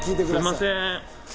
すみません。